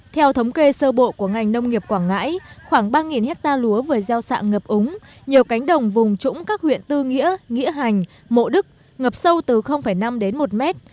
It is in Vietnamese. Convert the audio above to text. theo thống kê sơ bộ của ngành nông nghiệp quảng ngãi khoảng ba hectare lúa vừa gieo xạ ngập úng nhiều cánh đồng vùng trũng các huyện tư nghĩa nghĩa hành mộ đức ngập sâu từ năm đến một mét